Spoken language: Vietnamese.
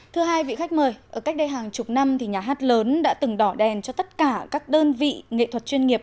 thưa hai vị khách mời ở cách đây hàng chục năm thì nhà hát lớn đã từng đỏ đèn cho tất cả các đơn vị nghệ thuật chuyên nghiệp